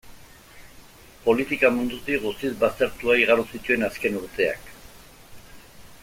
Politika mundutik guztiz baztertua igaro zituen azken urteak.